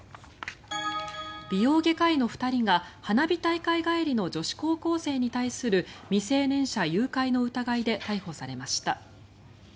美容外科医の２人が花火大会帰りの女子高校生に対する未成年者誘拐の疑いで逮捕されました。